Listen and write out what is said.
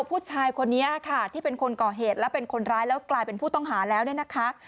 ผู้ชายคนนี้ค่ะที่เป็นคนก่อเหตุและเป็นคนร้ายแล้วกลายเป็นผู้ต้องหาแล้วเนี่ยนะคะ